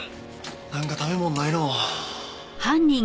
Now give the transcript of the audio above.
なんか食べ物ないの？